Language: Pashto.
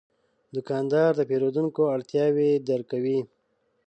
دوکاندار د پیرودونکو اړتیاوې درک کوي.